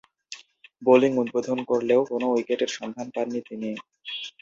Bowling উদ্বোধন করলেও কোন উইকেটের সন্ধানে পাননি তিনি।